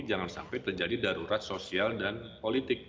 jangan sampai terjadi darurat sosial dan politik